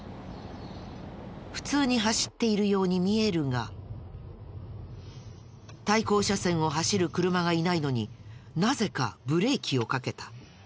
普通に走っているように見えるが対向車線を走る車がいないのになぜかブレーキをかけた。